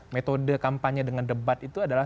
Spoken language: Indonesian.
metode kampanye dengan debat itu adalah